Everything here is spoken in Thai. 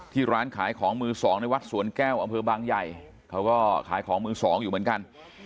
ร้านขายของมือสองในวัดสวนแก้วอำเภอบางใหญ่เขาก็ขายของมือสองอยู่เหมือนกัน